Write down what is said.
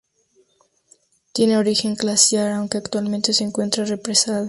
Tiene origen glaciar, aunque actualmente se encuentra represado.